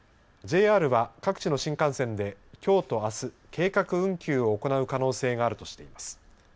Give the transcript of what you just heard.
ＪＲは各地の新幹線できょうとあす計画運休を行う可能性があるとしています。